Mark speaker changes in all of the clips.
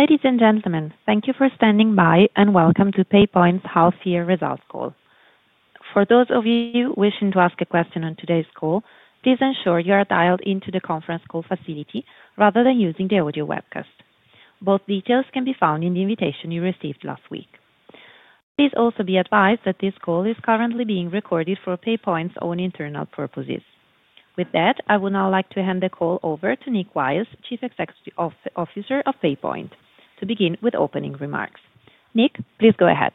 Speaker 1: Ladies and gentlemen, thank you for standing by and welcome to PayPoint's half-year results call. For those of you wishing to ask a question on today's call, please ensure you are dialed into the conference call facility rather than using the audio webcast. Both details can be found in the invitation you received last week. Please also be advised that this call is currently being recorded for PayPoint's own internal purposes. With that, I would now like to hand the call over to Nick Wiles, Chief Executive Officer of PayPoint, to begin with opening remarks. Nick, please go ahead.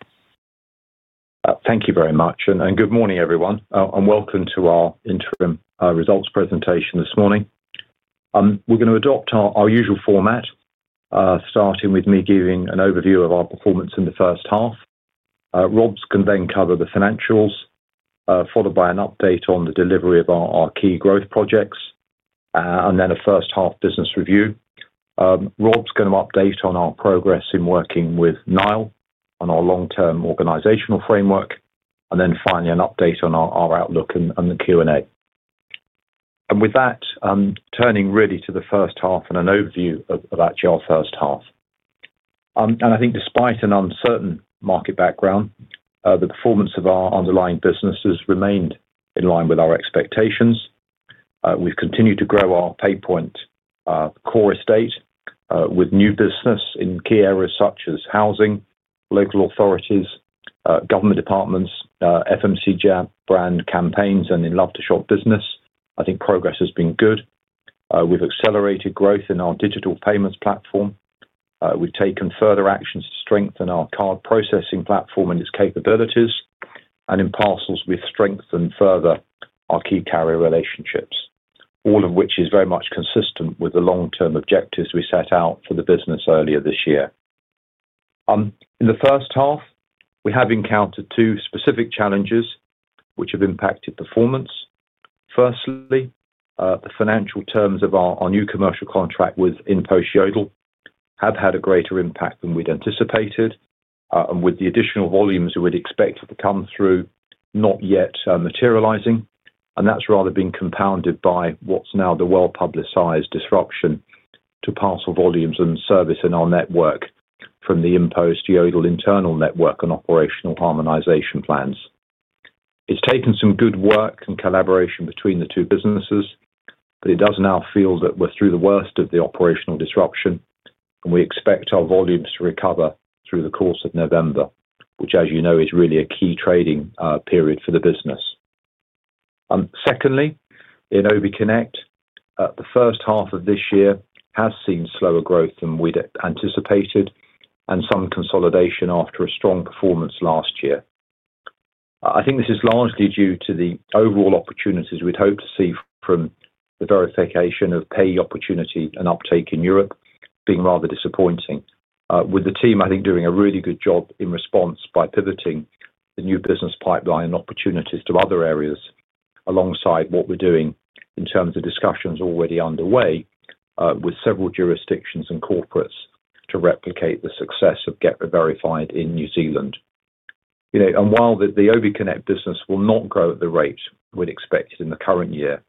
Speaker 2: Thank you very much, and good morning, everyone, and welcome to our interim results presentation this morning. We are going to adopt our usual format, starting with me giving an overview of our performance in the first half. Rob can then cover the financials, followed by an update on the delivery of our key growth projects, and then a first-half business review. Rob is going to update on our progress in working with Nile on our long-term organizational framework, and then finally an update on our outlook and the Q&A. With that, turning really to the first half and an overview of actually our first half. I think despite an uncertain market background, the performance of our underlying business has remained in line with our expectations. We've continued to grow our PayPoint core estate with new business in key areas such as housing, local authorities, government departments, FMCG brand campaigns, and in Love2Shop business. I think progress has been good. We've accelerated growth in our digital payments platform. We've taken further actions to strengthen our card processing platform and its capabilities, and in parcels, we've strengthened further our key carrier relationships, all of which is very much consistent with the long-term objectives we set out for the business earlier this year. In the first half, we have encountered two specific challenges which have impacted performance. Firstly, the financial terms of our new commercial contract with InPost, Yodel have had a greater impact than we'd anticipated, and with the additional volumes we would expect to come through, not yet materializing. That has rather been compounded by what is now the well-publicized disruption to parcel volumes and service in our network from the InPost Yodel internal network and operational harmonization plans. It has taken some good work and collaboration between the two businesses, but it does now feel that we are through the worst of the operational disruption, and we expect our volumes to recover through the course of November, which, as you know, is really a key trading period for the business. Secondly, in obconnect, the first half of this year has seen slower growth than we had anticipated and some consolidation after a strong performance last year. I think this is largely due to the overall opportunities we'd hoped to see from the verification of pay opportunity and uptake in Europe being rather disappointing, with the team, I think, doing a really good job in response by pivoting the new business pipeline and opportunities to other areas alongside what we're doing in terms of discussions already underway with several jurisdictions and corporates to replicate the success of GetReVerified in New Zealand. While the obconnect business will not grow at the rate we'd expected in the current year,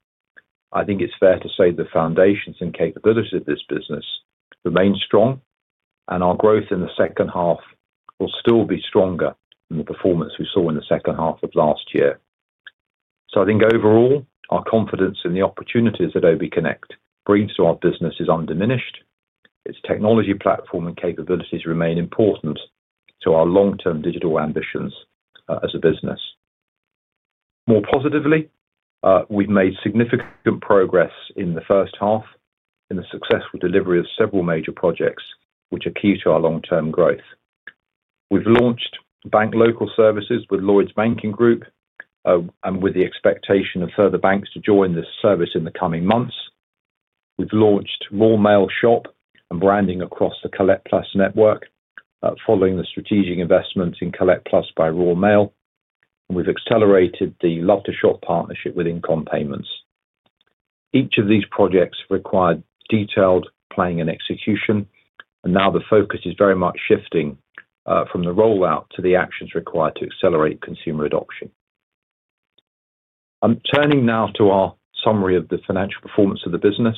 Speaker 2: I think it's fair to say the foundations and capabilities of this business remain strong, and our growth in the second half will still be stronger than the performance we saw in the second half of last year. I think overall, our confidence in the opportunities that obconnect brings to our business is undiminished. Its technology platform and capabilities remain important to our long-term digital ambitions as a business. More positively, we've made significant progress in the first half in the successful delivery of several major projects which are key to our long-term growth. We've launched Bank Local services with Lloyds Banking Group and with the expectation of further banks to join this service in the coming months. We've launched Royal Mail Shop and branding across the Collect+ network following the strategic investments in Collect+ by Royal Mail, and we've accelerated the Love2Shop partnership with InComm Payments. Each of these projects required detailed planning and execution, and now the focus is very much shifting from the rollout to the actions required to accelerate consumer adoption. I'm turning now to our summary of the financial performance of the business.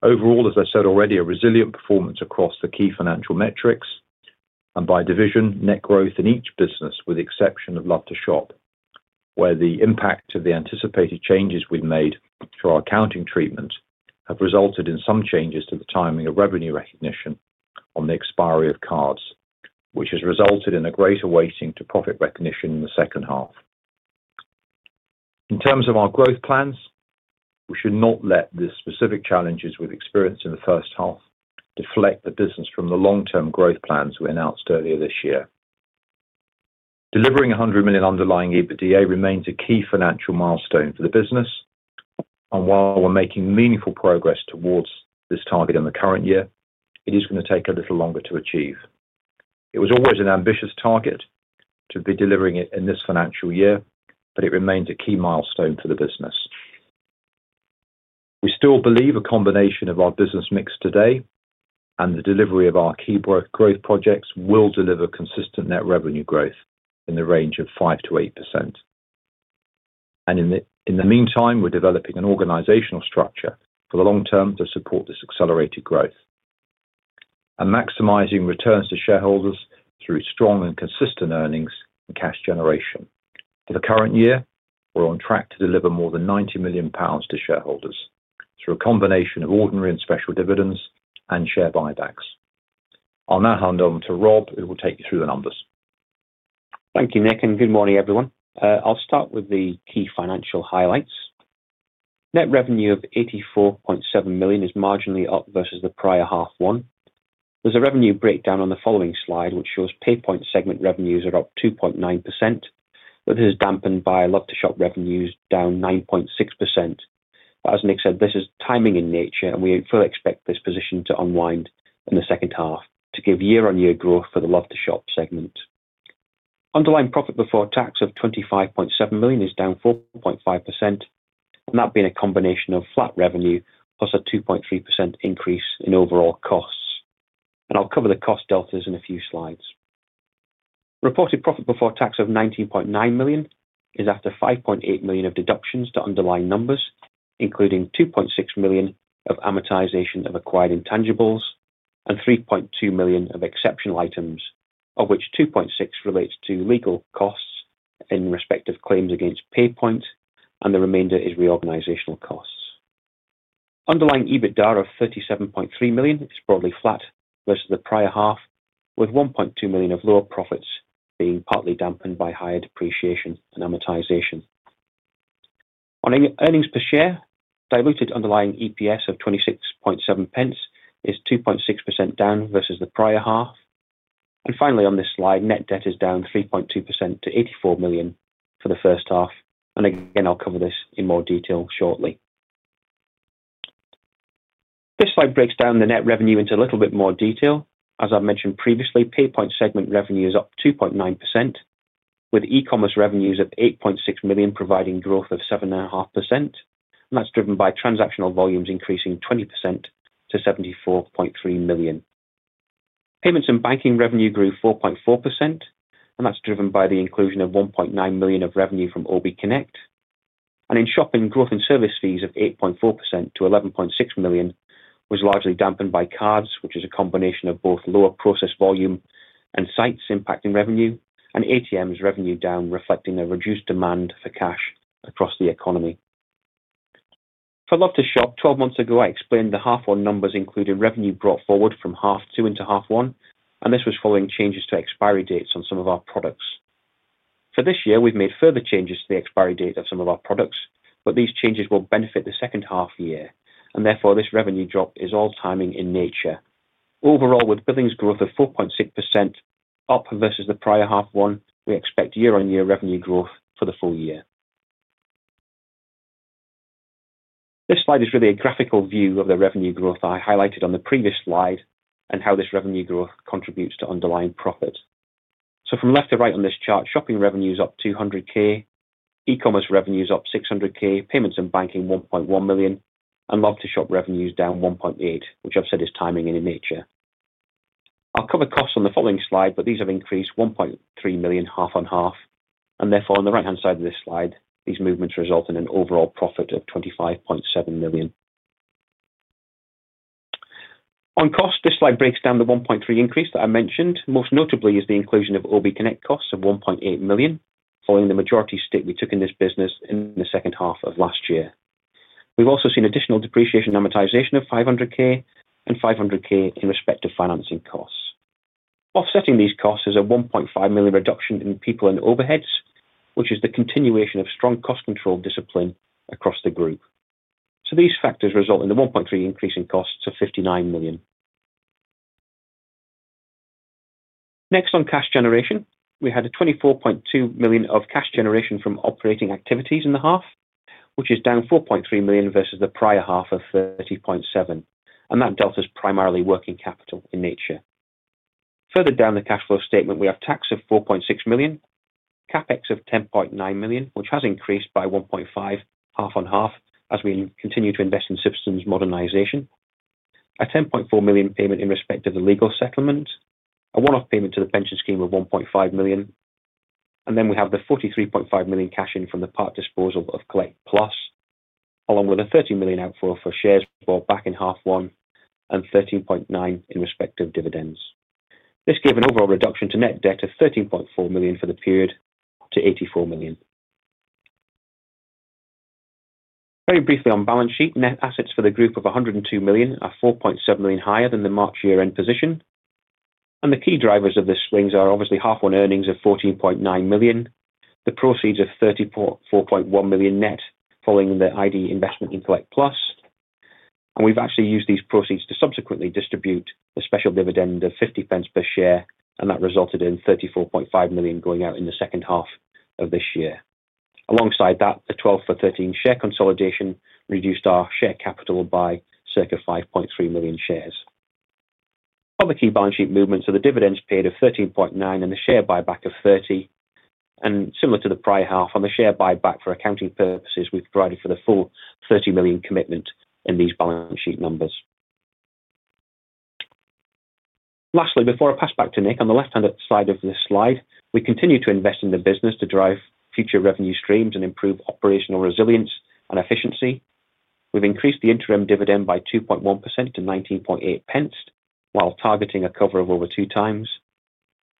Speaker 2: Overall, as I said already, a resilient performance across the key financial metrics and by division, net growth in each business with the exception of Love2Shop, where the impact of the anticipated changes we've made to our accounting treatment have resulted in some changes to the timing of revenue recognition on the expiry of cards, which has resulted in a greater weighting to profit recognition in the second half. In terms of our growth plans, we should not let the specific challenges we've experienced in the first half deflect the business from the long-term growth plans we announced earlier this year. Delivering 100 million underlying EBITDA remains a key financial milestone for the business, and while we're making meaningful progress towards this target in the current year, it is going to take a little longer to achieve. It was always an ambitious target to be delivering it in this financial year, but it remains a key milestone for the business. We still believe a combination of our business mix today and the delivery of our key growth projects will deliver consistent net revenue growth in the range of 5%-8%. In the meantime, we're developing an organizational structure for the long term to support this accelerated growth and maximizing returns to shareholders through strong and consistent earnings and cash generation. For the current year, we're on track to deliver more than 90 million pounds to shareholders through a combination of ordinary and special dividends and share buybacks. I'll now hand on to Rob, who will take you through the numbers.
Speaker 3: Thank you, Nick, and good morning, everyone. I'll start with the key financial highlights. Net revenue of 84.7 million is marginally up versus the prior half one. There's a revenue breakdown on the following slide, which shows PayPoint segment revenues are up 2.9%, but this is dampened by Love2Shop revenues down 9.6%. As Nick said, this is timing in nature, and we fully expect this position to unwind in the second half to give year-on-year growth for the Love2Shop segment. Underlying profit before tax of 25.7 million is down 4.5%, that being a combination of flat revenue plus a 2.3% increase in overall costs. I'll cover the cost deltas in a few slides. Reported profit before tax of 19.9 million is after 5.8 million of deductions to underlying numbers, including 2.6 million of amortization of acquired intangibles and 3.2 million of exceptional items, of which 2.6 million relates to legal costs in respect of claims against PayPoint, and the remainder is reorganizational costs. Underlying EBITDA of 37.3 million is broadly flat versus the prior half, with 1.2 million of lower profits being partly dampened by higher depreciation and amortization. On earnings per share, diluted underlying EPS of 0.267 is 2.6% down versus the prior half. Finally, on this slide, net debt is down 3.2% to 84 million for the first half. Again, I'll cover this in more detail shortly. This slide breaks down the net revenue into a little bit more detail. As I've mentioned previously, PayPoint segment revenue is up 2.9%, with e-commerce revenues of 8.6 million providing growth of 7.5%, and that's driven by transactional volumes increasing 20% to 74.3 million. Payments and banking revenue grew 4.4%, and that's driven by the inclusion of 1.9 million of revenue from obconnect. In shopping, growth in service fees of 8.4% to 11.6 million was largely dampened by cards, which is a combination of both lower process volume and sites impacting revenue, and ATM revenue down reflecting a reduced demand for cash across the economy. For Love2Shop, twelve months ago, I explained the half-on numbers included revenue brought forward from half two into half one, and this was following changes to expiry dates on some of our products. For this year, we've made further changes to the expiry date of some of our products, but these changes will benefit the second half year, and therefore this revenue drop is all timing in nature. Overall, with billings growth of 4.6% up versus the prior half one, we expect year-on-year revenue growth for the full year. This slide is really a graphical view of the revenue growth I highlighted on the previous slide and how this revenue growth contributes to underlying profit. From left to right on this chart, shopping revenues up 200,000, e-commerce revenues up 600,000, payments and banking 1.1 million, and Love2Shop revenues down 1.8 million, which I've said is timing in nature. I'll cover costs on the following slide, but these have increased 1.3 million, half on half, and therefore on the right-hand side of this slide, these movements result in an overall profit of 25.7 million. On costs, this slide breaks down the 1.3 million increase that I mentioned. Most notably, is the inclusion of obconnect costs of 1.8 million, following the majority stake we took in this business in the second half of last year. We've also seen additional depreciation amortization of 500,000 and 500,000 in respect of financing costs. Offsetting these costs is a 1.5 million reduction in people and overheads, which is the continuation of strong cost control discipline across the group. These factors result in the 1.3 million increase in costs to 59 million. Next, on cash generation, we had 24.2 million of cash generation from operating activities in the half, which is down 4.3 million versus the prior half of 30.7 million, and that delta is primarily working capital in nature. Further down the cash flow statement, we have tax of 4.6 million, CapEx of 10.9 million, which has increased by 1.5 million, half on half, as we continue to invest in systems modernization, a 10.4 million payment in respect of the legal settlement, a one-off payment to the pension scheme of 1.5 million, and then we have the 43.5 million cash in from the part disposal of Collect+, along with a 30 million outflow for shares bought back in half one and 13.9 million in respect of dividends. This gave an overall reduction to net debt of 13.4 million for the period to 84 million. Very briefly on balance sheet, net assets for the group of 102 million are 4.7 million higher than the March year-end position. The key drivers of the swings are obviously half-on earnings of 14.9 million, the proceeds of 34.1 million net following the ID investment in Collect+. We've actually used these proceeds to subsequently distribute a special dividend of 0.50 per share, and that resulted in 34.5 million going out in the second half of this year. Alongside that, the 12 for 13 share consolidation reduced our share capital by circa 5.3 million shares. Other key balance sheet movements are the dividends paid of 13.9 million and the share buyback of 30 million. Similar to the prior half, on the share buyback for accounting purposes, we've provided for the full 30 million commitment in these balance sheet numbers. Lastly, before I pass back to Nick, on the left-hand side of this slide, we continue to invest in the business to drive future revenue streams and improve operational resilience and efficiency. We've increased the interim dividend by 2.1% to 0.198 while targeting a cover of over 2x,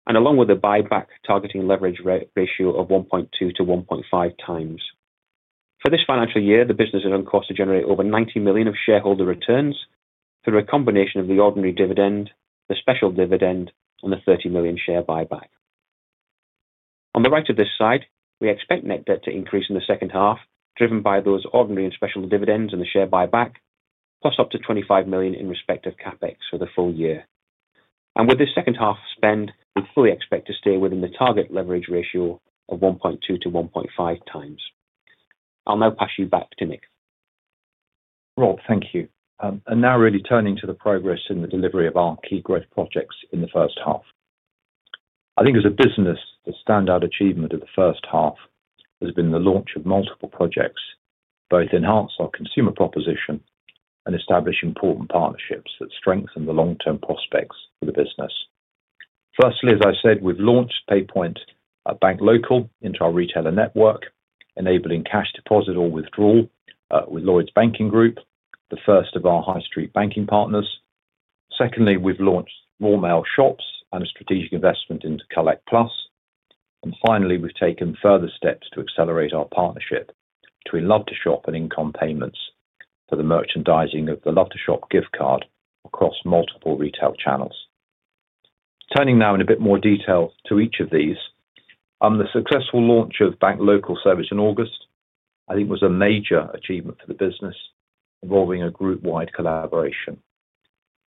Speaker 3: and along with the buyback, targeting leverage ratio of 1.2x-1.5x. For this financial year, the business is on course to generate over 90 million of shareholder returns through a combination of the ordinary dividend, the special dividend, and the 30 million share buyback. On the right of this slide, we expect net debt to increase in the second half, driven by those ordinary and special dividends in the share buyback, plus up to 25 million in respect of CapEx for the full year. With this second half spend, we fully expect to stay within the target leverage ratio of 1.2x-1.5x. I'll now pass you back to Nick.
Speaker 2: Rob, thank you. Now really turning to the progress in the delivery of our key growth projects in the first half. I think as a business, the standout achievement of the first half has been the launch of multiple projects, both to enhance our consumer proposition and establish important partnerships that strengthen the long-term prospects for the business. Firstly, as I said, we've launched PayPoint Bank Local into our retailer network, enabling cash deposit or withdrawal with Lloyds Banking Group, the first of our high street banking partners. Secondly, we've launched Royal Mail Shops and a strategic investment into Collect+. Finally, we've taken further steps to accelerate our partnership between Love2Shop and InComm Payments for the merchandising of the Love2Shop gift card across multiple retail channels. Turning now in a bit more detail to each of these, the successful launch of Bank Local service in August, I think, was a major achievement for the business, involving a group-wide collaboration.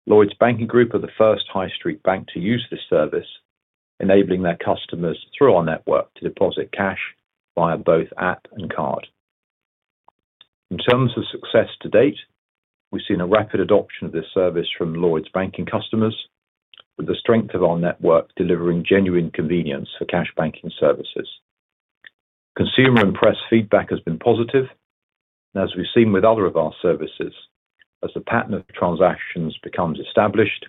Speaker 2: Lloyds Banking Group are the first high street bank to use this service, enabling their customers through our network to deposit cash via both app and card. In terms of success to date, we've seen a rapid adoption of this service from Lloyds Banking customers, with the strength of our network delivering genuine convenience for cash banking services. Consumer and press feedback has been positive, and as we've seen with other of our services, as the pattern of transactions becomes established,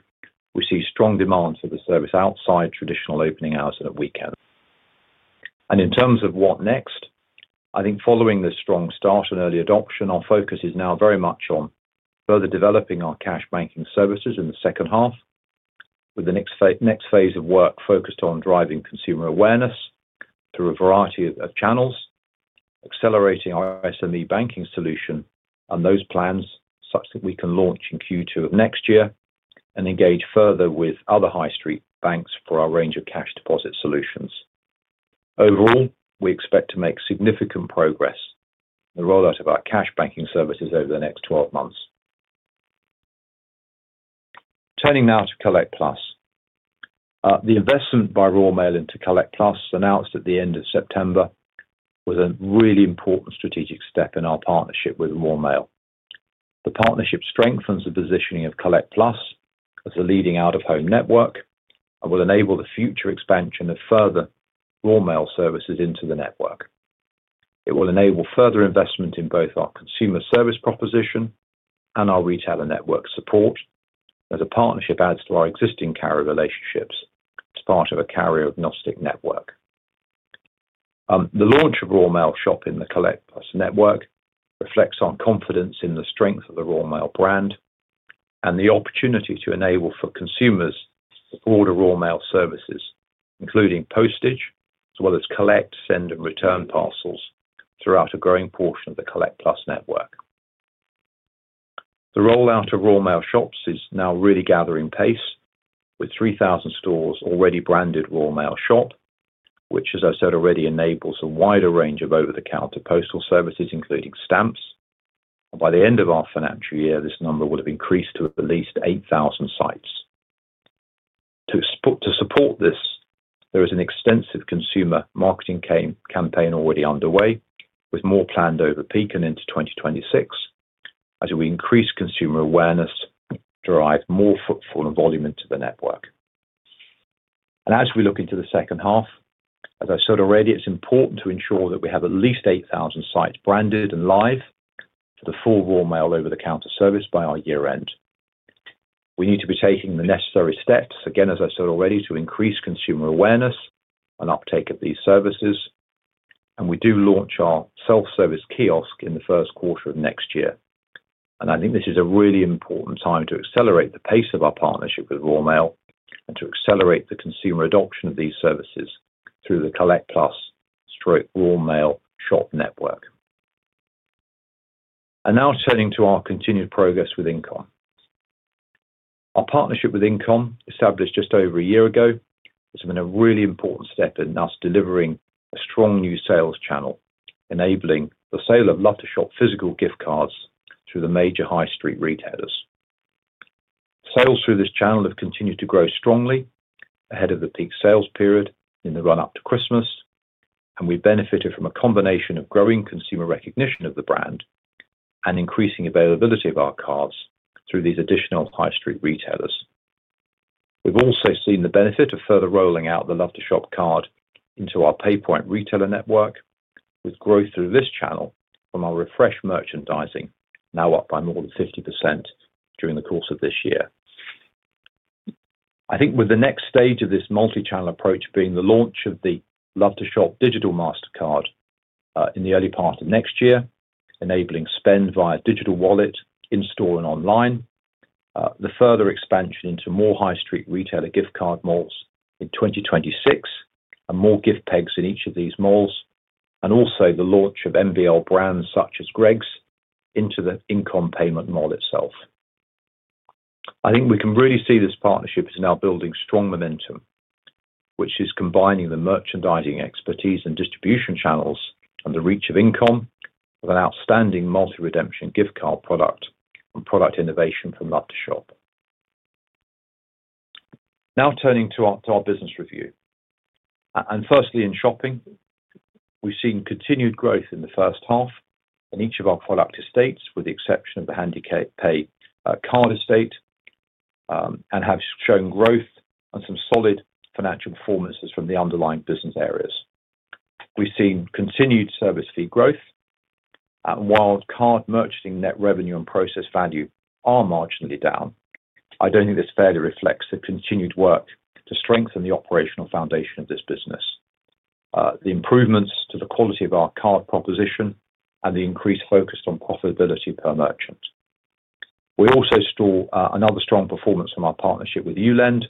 Speaker 2: we see strong demand for the service outside traditional opening hours and at weekends. In terms of what next, I think following the strong start and early adoption, our focus is now very much on further developing our cash banking services in the second half, with the next phase of work focused on driving consumer awareness through a variety of channels, accelerating our SME banking solution and those plans such that we can launch in Q2 of next year and engage further with other high street banks for our range of cash deposit solutions. Overall, we expect to make significant progress in the rollout of our cash banking services over the next 12 months. Turning now to Collect+. The investment by Royal Mail into Collect+ announced at the end of September was a really important strategic step in our partnership with Royal Mail. The partnership strengthens the positioning of Collect+ as a leading out-of-home network and will enable the future expansion of further Royal Mail services into the network. It will enable further investment in both our consumer service proposition and our retailer network support, as the partnership adds to our existing carrier relationships as part of a carrier-agnostic network. The launch of Royal Mail Shop in the Collect+ network reflects our confidence in the strength of the Royal Mail brand and the opportunity to enable for consumers to order Royal Mail services, including postage, as well as collect, send, and return parcels throughout a growing portion of the Collect+ network. The rollout of Royal Mail Shops is now really gathering pace, with 3,000 stores already branded Royal Mail Shop, which, as I said already, enables a wider range of over-the-counter postal services, including stamps. By the end of our financial year, this number will have increased to at least 8,000 sites. To support this, there is an extensive consumer marketing campaign already underway, with more planned over peak and into 2026, as we increase consumer awareness to drive more footfall and volume into the network. As we look into the second half, as I said already, it's important to ensure that we have at least 8,000 sites branded and live for the full Royal Mail over-the-counter service by our year-end. We need to be taking the necessary steps, again, as I said already, to increase consumer awareness and uptake of these services. We do launch our self-service kiosk in the first quarter of next year. I think this is a really important time to accelerate the pace of our partnership with Royal Mail and to accelerate the consumer adoption of these services through the Collect+/Royal Mail Shop network. Now turning to our continued progress with InComm. Our partnership with InComm, established just over a year ago. It's been a really important step in us delivering a strong new sales channel, enabling the sale of Love2Shop physical gift cards through the major high street retailers. Sales through this channel have continued to grow strongly ahead of the peak sales period in the run-up to Christmas, and we've benefited from a combination of growing consumer recognition of the brand and increasing availability of our cards through these additional high street retailers. We've also seen the benefit of further rolling out the Love2Shop card into our PayPoint retailer network, with growth through this channel from our refreshed merchandising now up by more than 50% during the course of this year. I think with the next stage of this multi-channel approach being the launch of the Love2Shop digital Mastercard in the early part of next year, enabling spend via digital wallet, in-store, and online, the further expansion into more high street retailer gift card malls in 2026, and more gift pegs in each of these malls, and also the launch of MBL brands such as Greggs into the InComm Payments mall itself. I think we can really see this partnership is now building strong momentum, which is combining the merchandising expertise and distribution channels and the reach of InComm with an outstanding multi-redemption gift card product and product innovation from Love2Shop. Now turning to our business review. Firstly, in shopping, we've seen continued growth in the first half in each of our product estates, with the exception of the Handepay card estate, and have shown growth and some solid financial performances from the underlying business areas. We've seen continued service fee growth, and while card merchanting net revenue and process value are marginally down, I do not think this fairly reflects the continued work to strengthen the operational foundation of this business, the improvements to the quality of our card proposition, and the increased focus on profitability per merchant. We also saw another strong performance from our partnership with Ulend,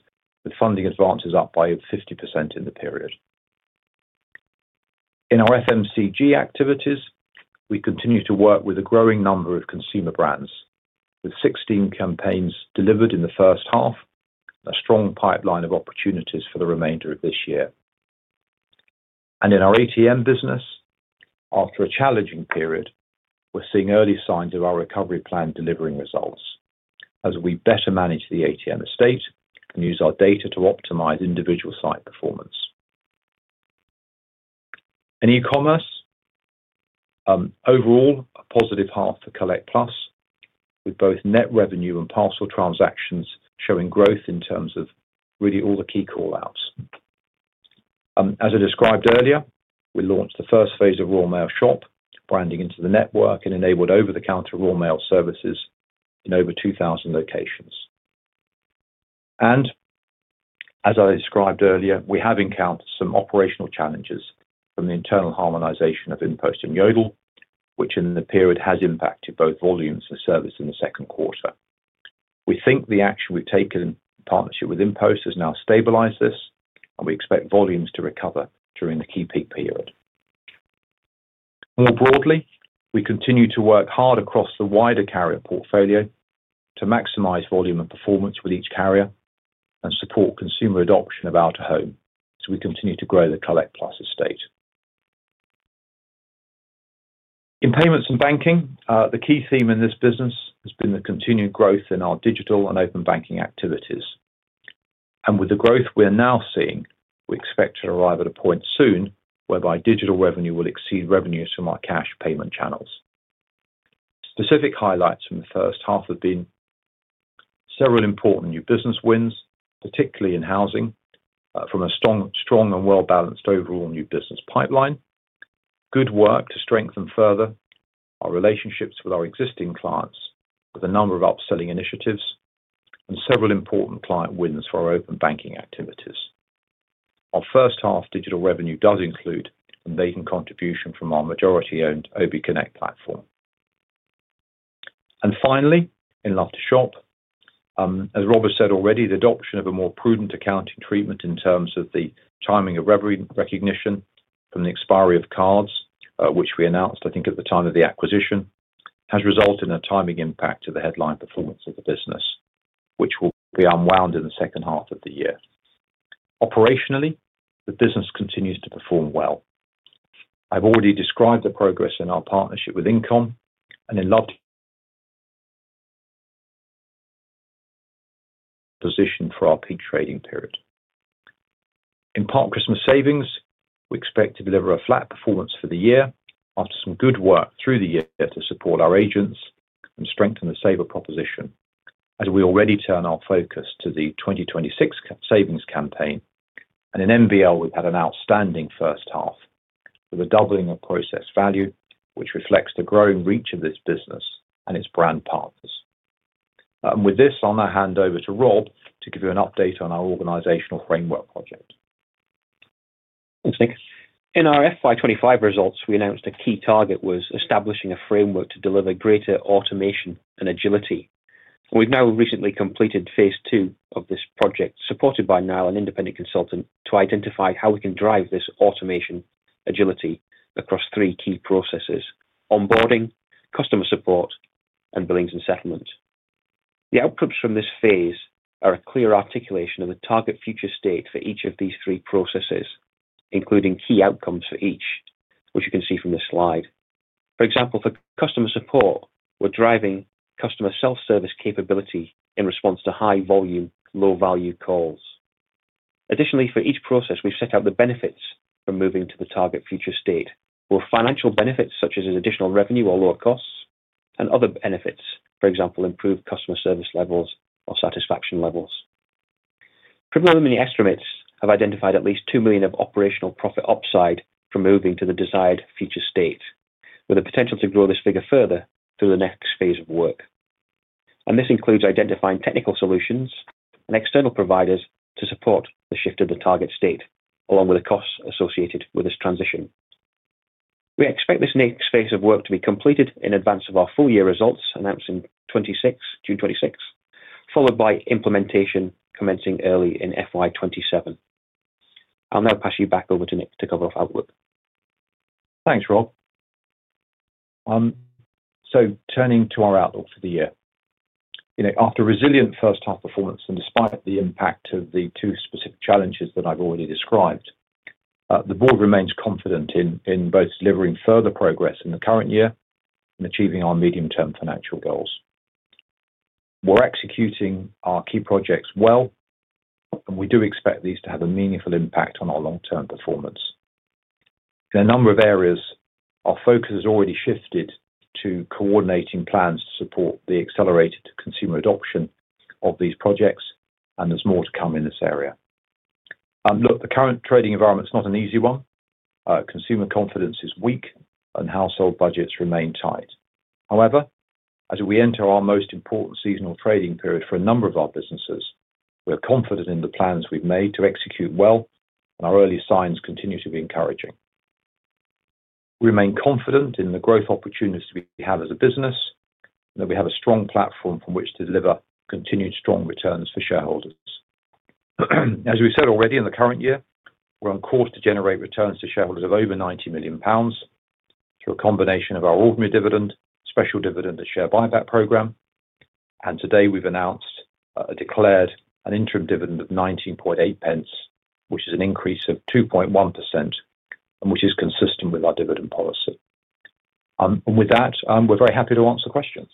Speaker 2: with funding advances up by 50% in the period. In our FMCG activities, we continue to work with a growing number of consumer brands, with 16 campaigns delivered in the first half, a strong pipeline of opportunities for the remainder of this year. In our ATM business, after a challenging period, we're seeing early signs of our recovery plan delivering results as we better manage the ATM estate and use our data to optimize individual site performance. In e-commerce, overall, a positive half to Collect+, with both net revenue and parcel transactions showing growth in terms of really all the key callouts. As I described earlier, we launched the first phase of Royal Mail Shop branding into the network and enabled over-the-counter Royal Mail services in over 2,000 locations. As I described earlier, we have encountered some operational challenges from the internal harmonization of InPost and Yodel, which in the period has impacted both volumes and service in the second quarter. We think the action we have taken in partnership with InPost has now stabilized this, and we expect volumes to recover during the key peak period. More broadly, we continue to work hard across the wider carrier portfolio to maximize volume and performance with each carrier and support consumer adoption of out-of-home, so we continue to grow the Collect+ estate. In payments and banking, the key theme in this business has been the continued growth in our digital and open banking activities. With the growth we are now seeing, we expect to arrive at a point soon whereby digital revenue will exceed revenues from our cash payment channels. Specific highlights from the first half have been several important new business wins, particularly in housing, from a strong and well-balanced overall new business pipeline, good work to strengthen further our relationships with our existing clients with a number of upselling initiatives, and several important client wins for our open banking activities. Our first half digital revenue does include an amazing contribution from our majority-owned obconnect platform. Finally, in Love2Shop, as Rob has said already, the adoption of a more prudent accounting treatment in terms of the timing of revenue recognition from the expiry of cards, which we announced, I think, at the time of the acquisition, has resulted in a timing impact to the headline performance of the business, which will be unwound in the second half of the year. Operationally, the business continues to perform well. I've already described the progress in our partnership with InComm and in Love2Shop position for our peak trading period. In part, Christmas savings, we expect to deliver a flat performance for the year after some good work through the year to support our agents and strengthen the saver proposition, as we already turn our focus to the 2026 savings campaign. In MBL, we've had an outstanding first half with a doubling of process value, which reflects the growing reach of this business and its brand partners. With this, I'll now hand over to Rob to give you an update on our organizational framework project.
Speaker 3: Thanks, Nick. In our FY2025 results, we announced a key target was establishing a framework to deliver greater automation and agility. We've now recently completed phase two of this project, supported by now an independent consultant to identify how we can drive this automation agility across three key processes: onboarding, customer support, and billings and settlement. The outcomes from this phase are a clear articulation of the target future state for each of these three processes, including key outcomes for each, which you can see from this slide. For example, for customer support, we're driving customer self-service capability in response to high-volume, low-value calls. Additionally, for each process, we've set out the benefits from moving to the target future state, with financial benefits such as additional revenue or lower costs and other benefits, for example, improved customer service levels or satisfaction levels. Primarily, many estimates have identified at least 2 million of operational profit upside from moving to the desired future state, with the potential to grow this figure further through the next phase of work. This includes identifying technical solutions and external providers to support the shift of the target state, along with the costs associated with this transition. We expect this next phase of work to be completed in advance of our full year results, announcing June 26, followed by implementation commencing early in FY2027. I'll now pass you back over to Nick to cover off outlook.
Speaker 2: Thanks, Rob. Turning to our outlook for the year, after resilient first half performance and despite the impact of the two specific challenges that I've already described, the board remains confident in both delivering further progress in the current year and achieving our medium-term financial goals. We're executing our key projects well, and we do expect these to have a meaningful impact on our long-term performance. In a number of areas, our focus has already shifted to coordinating plans to support the accelerated consumer adoption of these projects, and there's more to come in this area. Look, the current trading environment's not an easy one. Consumer confidence is weak, and household budgets remain tight. However, as we enter our most important seasonal trading period for a number of our businesses, we're confident in the plans we've made to execute well, and our early signs continue to be encouraging. We remain confident in the growth opportunities we have as a business and that we have a strong platform from which to deliver continued strong returns for shareholders. As we said already, in the current year, we're on course to generate returns to shareholders of over 90 million pounds through a combination of our ordinary dividend, special dividend, and share buyback program. Today, we've announced a declared interim dividend of 0.198, which is an increase of 2.1%, and which is consistent with our dividend policy. With that, we're very happy to answer questions.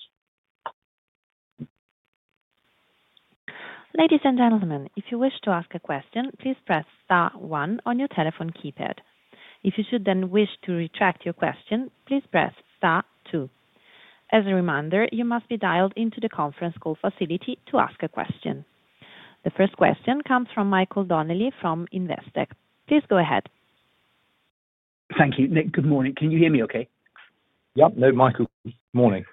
Speaker 1: Ladies and gentlemen, if you wish to ask a question, please press star one on your telephone keypad. If you should then wish to retract your question, please press star two. As a reminder, you must be dialed into the conference call facility to ask a question. The first question comes from Michael Donnelly from Investec. Please go ahead.
Speaker 4: Thank you. Nick, good morning. Can you hear me okay?
Speaker 2: Yep. No, Michael. Good morning.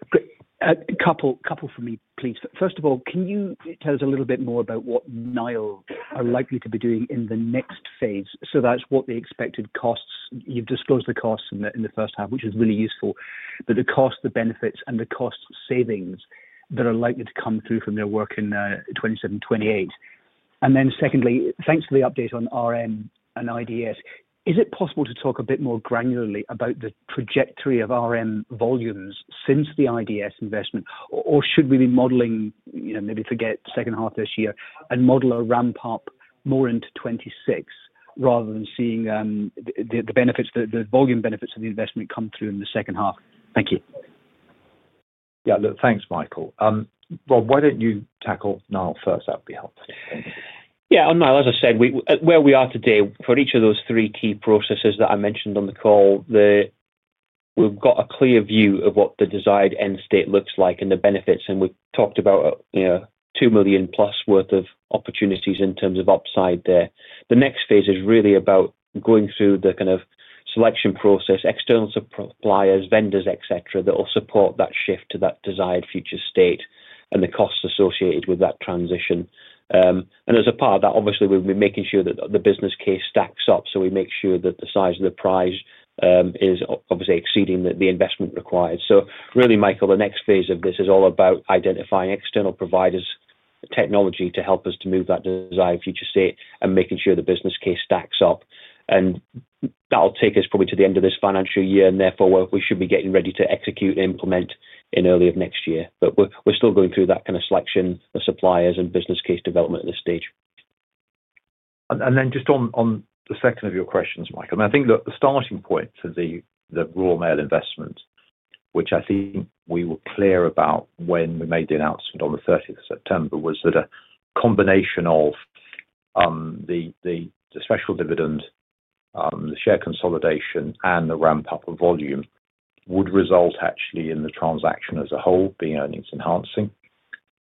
Speaker 4: Couple for me, please. First of all, can you tell us a little bit more about what Nile are likely to be doing in the next phase? That is what the expected costs—you have disclosed the costs in the first half, which is really useful—but the cost, the benefits, and the cost savings that are likely to come through from their work in 2027, 2028. Secondly, thanks for the update on RM and IDS. Is it possible to talk a bit more granularly about the trajectory of RM volumes since the IDS investment, or should we be modeling—maybe forget second half this year—and model a ramp-up more into 2026 rather than seeing the volume benefits of the investment come through in the second half? Thank you.
Speaker 2: Yeah. Look, thanks, Michael. Rob, why don't you tackle Nile first? That would be helpful.
Speaker 3: Yeah. On Nile, as I said, where we are today for each of those three key processes that I mentioned on the call, we've got a clear view of what the desired end state looks like and the benefits. We've talked about 2 million+ worth of opportunities in terms of upside there. The next phase is really about going through the kind of selection process, external suppliers, vendors, etc., that will support that shift to that desired future state and the costs associated with that transition. As a part of that, obviously, we'll be making sure that the business case stacks up so we make sure that the size of the prize is obviously exceeding the investment required. Really, Michael, the next phase of this is all about identifying external providers, technology to help us to move that desired future state and making sure the business case stacks up. That will take us probably to the end of this financial year, and therefore, we should be getting ready to execute and implement in early next year. We are still going through that kind of selection of suppliers and business case development at this stage.
Speaker 2: Just on the second of your questions, Michael, I think the starting point for the Royal Mail investment, which I think we were clear about when we made the announcement on the 30th of September, was that a combination of the special dividend, the share consolidation, and the ramp-up of volume would result actually in the transaction as a whole being earnings-enhancing.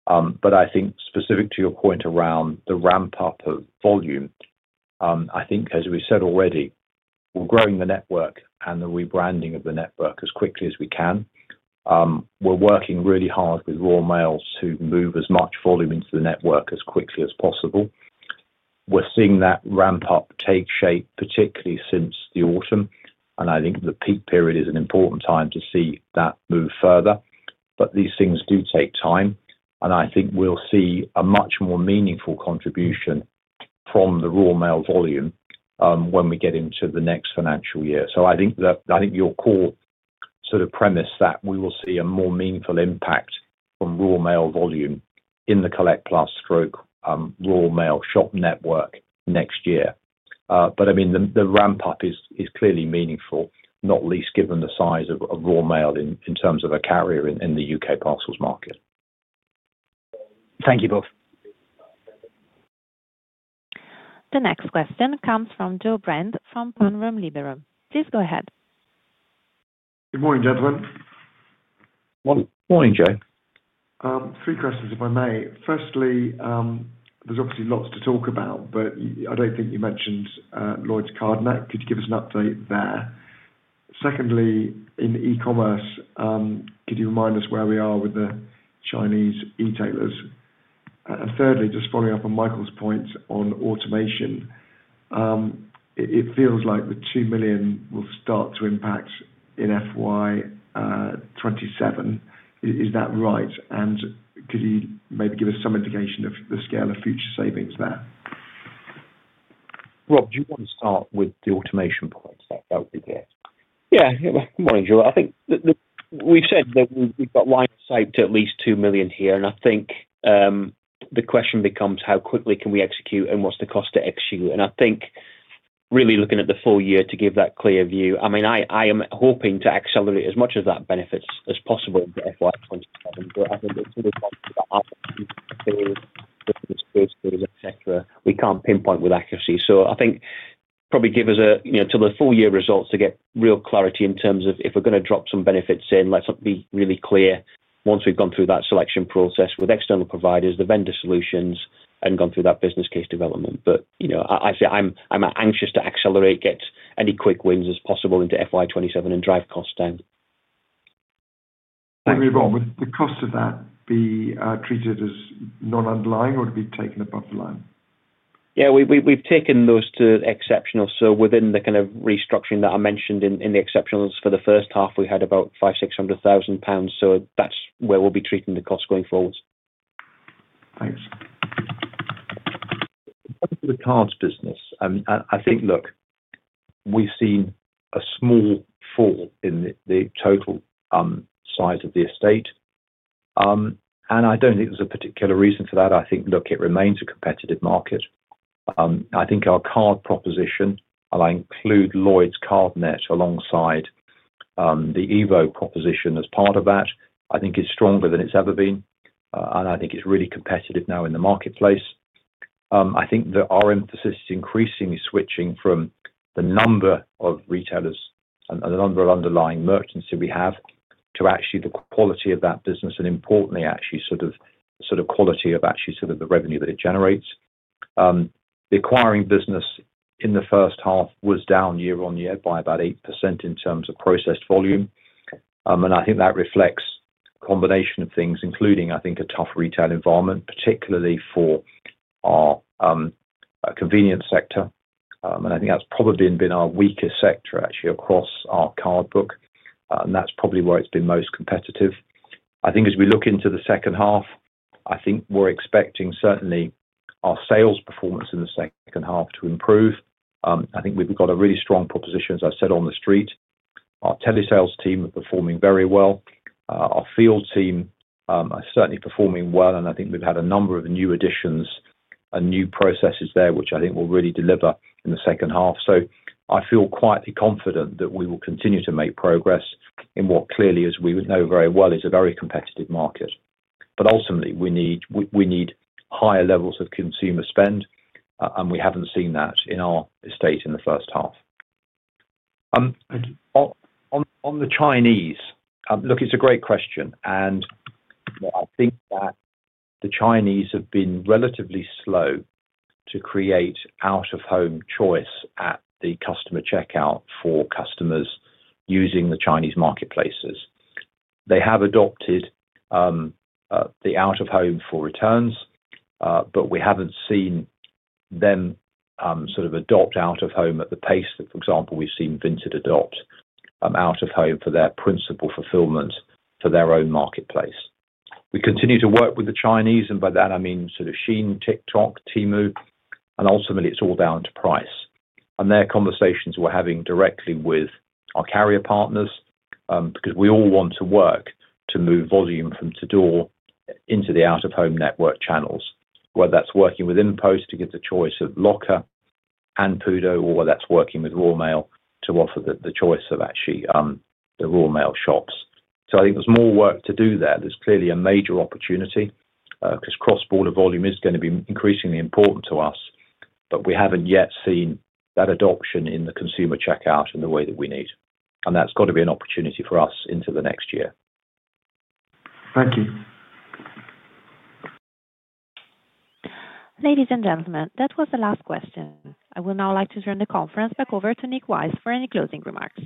Speaker 2: I think specific to your point around the ramp-up of volume, I think, as we said already, we're growing the network and the rebranding of the network as quickly as we can. We're working really hard with Royal Mail to move as much volume into the network as quickly as possible. We're seeing that ramp-up take shape, particularly since the autumn, and I think the peak period is an important time to see that move further. These things do take time, and I think we'll see a much more meaningful contribution from the Royal Mail volume when we get into the next financial year. I think your core sort of premise that we will see a more meaningful impact from Royal Mail volume in the Collect+/Royal Mail Shop network next year. I mean, the ramp-up is clearly meaningful, not least given the size of Royal Mail in terms of a carrier in the U.K. parcels market.
Speaker 4: Thank you both.
Speaker 1: The next question comes from Joe Brent from Panmure Liberum. Please go ahead.
Speaker 5: Good morning, gentlemen.
Speaker 2: Morning, Joe.
Speaker 5: Three questions, if I may. Firstly, there's obviously lots to talk about, but I don't think you mentioned Lloyds Cardnet. Could you give us an update there? Secondly, in e-commerce, could you remind us where we are with the Chinese e-tailers? Thirdly, just following up on Michael's point on automation, it feels like the 2 million will start to impact in FY2027. Is that right? Could you maybe give us some indication of the scale of future savings there?
Speaker 2: Rob, do you want to start with the automation point? That would be good.
Speaker 3: Yeah. Good morning, Joe. I think we've said that we've got lines saved to at least 2 million here, and I think the question becomes how quickly can we execute and what's the cost to execute? I think really looking at the full year to give that clear view, I mean, I am hoping to accelerate as much of that benefits as possible in FY2027, but I think it's really hard to see business cases, etc. We can't pinpoint with accuracy. I think probably give us till the full year results to get real clarity in terms of if we're going to drop some benefits in, let's be really clear once we've gone through that selection process with external providers, the vendor solutions, and gone through that business case development. I say I'm anxious to accelerate, get any quick wins as possible into FY2027 and drive costs down.
Speaker 5: Rob, would the cost of that be treated as non-underlying, or would it be taken above the line?
Speaker 3: Yeah. We've taken those to exceptional. Within the kind of restructuring that I mentioned in the exceptionals for the first half, we had about 5,600,000 pounds. That is where we will be treating the costs going forward.
Speaker 5: Thanks.
Speaker 2: To the cards business, I think, look, we've seen a small fall in the total size of the estate, and I don't think there's a particular reason for that. I think, look, it remains a competitive market. I think our card proposition, and I include Lloyds Cardnet alongside the Evo proposition as part of that, I think is stronger than it's ever been, and I think it's really competitive now in the marketplace. I think that our emphasis is increasingly switching from the number of retailers and the number of underlying merchants that we have to actually the quality of that business, and importantly, actually sort of quality of actually sort of the revenue that it generates. The acquiring business in the first half was down year on year by about 8% in terms of process volume, and I think that reflects a combination of things, including, I think, a tough retail environment, particularly for our convenience sector. I think that's probably been our weakest sector, actually, across our card book, and that's probably where it's been most competitive. I think as we look into the second half, I think we're expecting certainly our sales performance in the second half to improve. I think we've got a really strong proposition, as I said, on the street. Our telesales team are performing very well. Our field team are certainly performing well, and I think we've had a number of new additions and new processes there, which I think will really deliver in the second half. I feel quietly confident that we will continue to make progress in what clearly, as we know very well, is a very competitive market. Ultimately, we need higher levels of consumer spend, and we have not seen that in our estate in the first half. On the Chinese, look, it is a great question, and I think that the Chinese have been relatively slow to create out-of-home choice at the customer checkout for customers using the Chinese marketplaces. They have adopted the out-of-home for returns, but we have not seen them sort of adopt out-of-home at the pace that, for example, we have seen Vinted adopt out-of-home for their principal fulfillment for their own marketplace. We continue to work with the Chinese, and by that, I mean sort of Shein, TikTok, Temu, and ultimately, it is all down to price. Their conversations we're having directly with our carrier partners because we all want to work to move volume from to-door into the out-of-home network channels, whether that's working with InPost to get the choice of locker and PUDO, or whether that's working with Royal Mail to offer the choice of actually the Royal Mail shops. I think there's more work to do there. There's clearly a major opportunity because cross-border volume is going to be increasingly important to us, but we haven't yet seen that adoption in the consumer checkout in the way that we need. That's got to be an opportunity for us into the next year.
Speaker 5: Thank you.
Speaker 1: Ladies and gentlemen, that was the last question. I would now like to turn the conference back over to Nick Wiles for any closing remarks.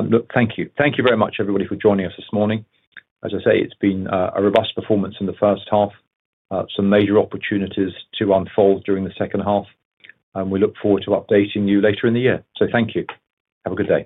Speaker 2: Look, thank you. Thank you very much, everybody, for joining us this morning. As I say, it's been a robust performance in the first half, some major opportunities to unfold during the second half, and we look forward to updating you later in the year. Thank you. Have a good day.